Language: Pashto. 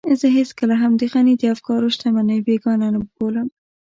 زه هېڅکله هم د غني د افکارو شتمنۍ بېګانه نه بولم.